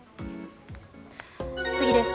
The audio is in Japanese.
次です。